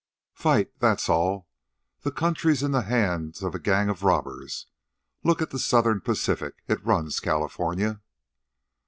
"Fight. That's all. The country's in the hands of a gang of robbers. Look at the Southern Pacific. It runs California."